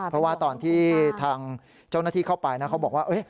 เพราะว่าตอนที่ทางเจ้าหน้าที่เข้าไปนะเขาบอกว่า